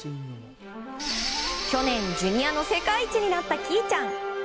去年、ジュニアの世界一になった稀唯ちゃん。